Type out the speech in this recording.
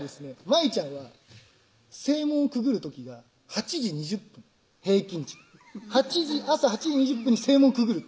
舞ちゃんは正門くぐる時が８時２０分平均値「朝８時２０分に正門くぐる」